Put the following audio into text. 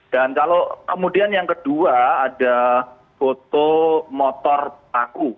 dan kalau kemudian yang kedua ada foto motor pelaku